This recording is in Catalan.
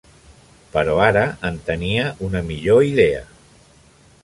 Però ara en tenia una millor idea.